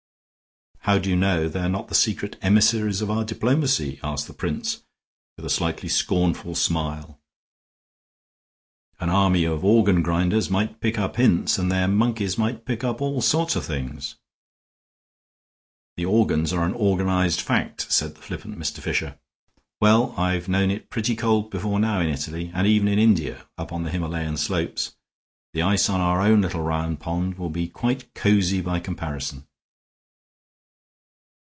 "How do you know they are not the secret emissaries of our diplomacy?" asked the prince, with a slightly scornful smile. "An army of organ grinders might pick up hints, and their monkeys might pick up all sort of things." "The organs are organized in fact," said the flippant Mr. Fisher. "Well, I've known it pretty cold before now in Italy and even in India, up on the Himalayan slopes. The ice on our own little round pond will be quite cozy by comparison."